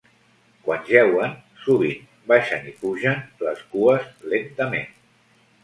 Quan jeuen, sovint baixen i pugen les cues lentament.